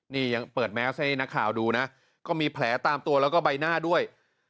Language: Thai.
นี่ยังเปิดแมสให้นักข่าวดูนะก็มีแผลตามตัวแล้วก็ใบหน้าด้วย